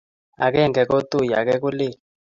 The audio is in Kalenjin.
agenge ko tui age ko lel